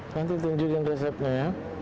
nanti tunjukin resepnya ya